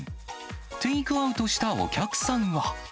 テイクアウトしたお客さんは。